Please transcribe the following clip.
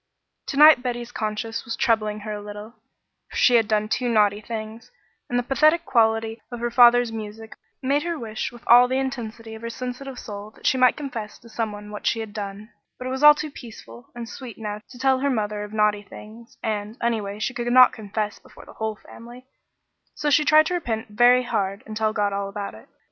To night Betty's conscience was troubling her a little, for she had done two naughty things, and the pathetic quality of her father's music made her wish with all the intensity of her sensitive soul that she might confess to some one what she had done, but it was all too peaceful and sweet now to tell her mother of naughty things, and, anyway, she could not confess before the whole family, so she tried to repent very hard and tell God all about it.